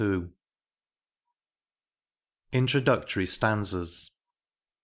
* h INTRODUCTORY STANZAS.